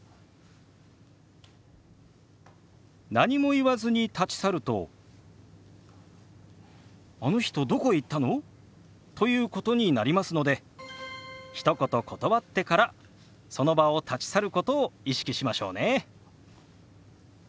何も言わずに立ち去ると「あの人どこへ行ったの？」ということになりますのでひと言断ってからその場を立ち去ることを意識しましょうね。